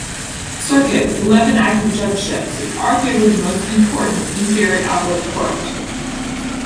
Circuit, with eleven active judgeships, is arguably the most important inferior appellate court.